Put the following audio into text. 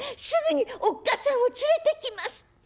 すぐにおっ母さんを連れてきます」。